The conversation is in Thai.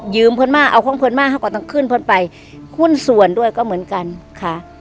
ยืมเพิ่มมากเอาไปเฉินมากเค้าก็ต้องขึ้นไปคุณส่วนด้วยก็เหมือนกันค่ะ